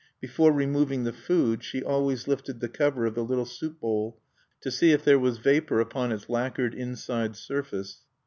Before removing the food, she always lifted the cover of the little soup bowl to see if there was vapor upon its lacquered inside surface.